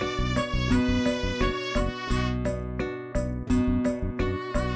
itu dia lupa